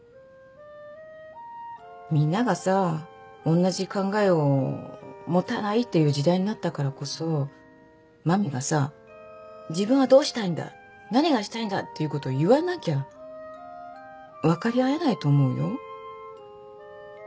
みんながさ同じ考えを持たないっていう時代になったからこそ麻美がさ自分はどうしたいんだ何がしたいんだっていうことを言わなきゃ分かり合えないと思うよ。